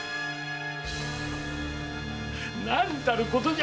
何たることじゃ！